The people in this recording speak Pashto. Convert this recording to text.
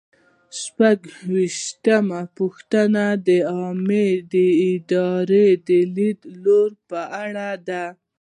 شپږویشتمه پوښتنه د عامه ادارې د لیدلوري په اړه ده.